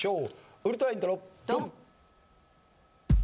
ウルトライントロドン！